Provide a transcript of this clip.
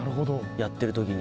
やってるときに。